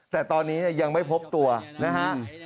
แต่ตอนนี้ยังไม่พบตัวนะฮะ